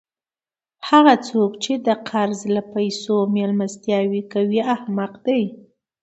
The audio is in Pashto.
هغه څوک، چي د قرض له پېسو میلمستیا کوي؛ احمق دئ!